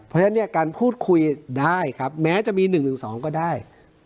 เพราะฉะนั้นเนี่ยการพูดคุยได้ครับแม้จะมี๑๑๒ก็ได้